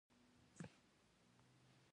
دا د عمل او پریکړې نیولو مرحله ده.